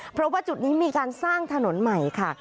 เพราะว่าจุดนี้มีการสร้างถนนใหม่ค่ะ